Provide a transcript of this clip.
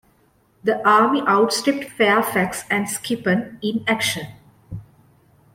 The army outstripped Fairfax and Skippon in action.